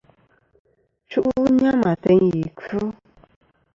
Chu'lɨ nyam ateyn ì kfɨ.